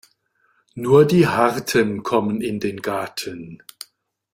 Nur die Harten kommen in den Garten.